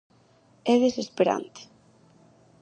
É desesperante.